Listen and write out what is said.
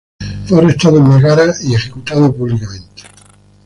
Fue arrestado en Megara y fue ejecutado públicamente.